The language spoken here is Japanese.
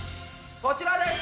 こちらです！